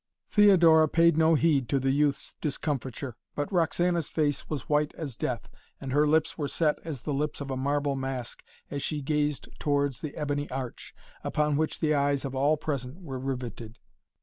Theodora paid no heed to the youth's discomfiture, but Roxana's face was white as death, and her lips were set as the lips of a marble mask as she gazed towards the ebony arch, upon which the eyes of all present were riveted.